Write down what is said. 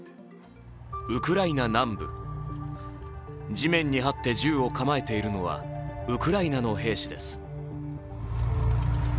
ウクライナ南部、地面にはって銃を構えているのはウクライナの兵士です。